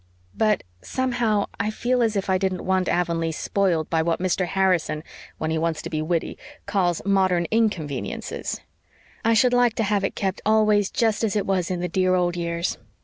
But somehow I feel as if I didn't want Avonlea spoiled by what Mr. Harrison, when he wants to be witty, calls 'modern inconveniences.' I should like to have it kept always just as it was in the dear old years.